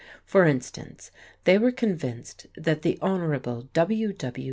For instance, they were convinced that the Hon. W. W.